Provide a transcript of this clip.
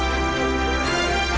mereka hanyalah melihat di maju